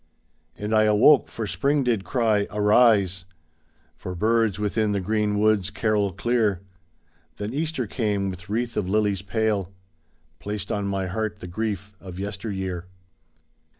And I awoke, for Spring did cry "Arise ! For birds within the green woods carol clear." Then Easter came with wreath of lilies pale, Placed on my heart the grief of yester year.